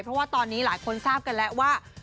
เพราะว่าตอนนี้หลายคนทราบกันแล้วว่า